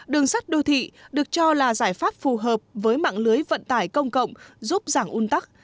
đường sắt đô thị được cho là giải pháp phù hợp với mạng lưới vận tải công cộng giúp giảm un tắc